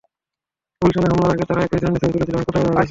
গুলশানে হামলার আগে তারা একই ধরনের ছবি তুলেছিল এবং পতাকা ব্যবহার করেছিল।